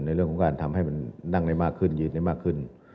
ในเรื่องของการทำให้มันนั่งได้มากขึ้นยืนได้มากขึ้น